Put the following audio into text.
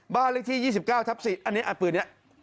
บ้านเลขที่๒๙ทับ๔อันนี้ปืนนี้